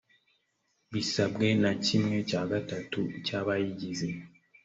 bisabwe na kimwe cya gatatu cy abayigize